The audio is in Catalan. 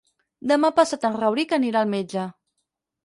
Demà passat en Rauric anirà al metge.